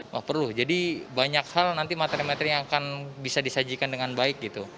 wah perlu jadi banyak hal nanti matematiknya akan bisa disajikan dengan baik gitu